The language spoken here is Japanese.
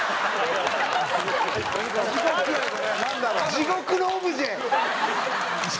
地獄のオブジェや。